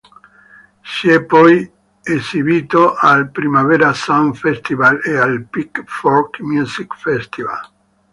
Si è poi esibito al Primavera Sound Festival e al Pitchfork Music Festival.